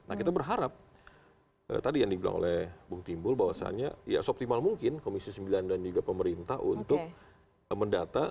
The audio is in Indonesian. nah kita berharap tadi yang dibilang oleh bung timbul bahwasannya ya seoptimal mungkin komisi sembilan dan juga pemerintah untuk mendata